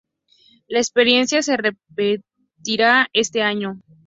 La experiencia se repetirá este año.